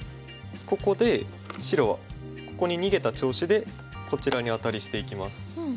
ここで白はここに逃げた調子でこちらにアタリしていきます。